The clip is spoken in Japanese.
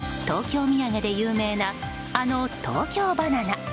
そう、東京土産で有名なあの東京ばな奈。